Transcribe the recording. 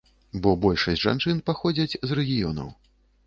Бо большасць жанчын паходзяць з рэгіёнаў.